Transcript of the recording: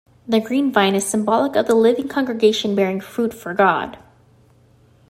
The Green Vine is symbolic of the living congregation bearing fruit for God.